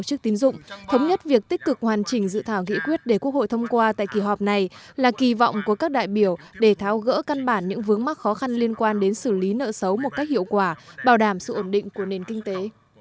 tổ chức tín dụng thống nhất việc tích cực hoàn chỉnh dự thảo nghị quyết để quốc hội thông qua tại kỳ họp này là kỳ vọng của các đại biểu để tháo gỡ căn bản những vướng mắc khó khăn liên quan đến xử lý nợ xấu một cách hiệu quả bảo đảm sự ổn định của nền kinh tế